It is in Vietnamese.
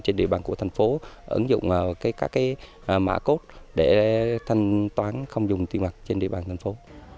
trên địa bàn của thành phố ứng dụng các mã code để thanh toán không dùng tiền mặt trên địa bàn thành phố